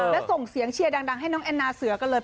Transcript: และส่งเสียงเชียร์ดังให้น้องแอนนาเสือกันเลย